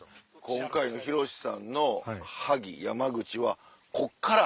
今回の博さんの萩・山口はこっから？